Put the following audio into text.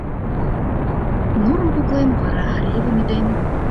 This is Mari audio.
— Нурым куклем, вара ревым ӱдем.